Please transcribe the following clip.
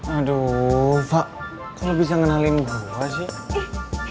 aduh fak kok lo bisa kenalin gue sih